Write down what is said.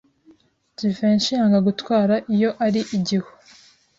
Jivency yanga gutwara iyo ari igihu.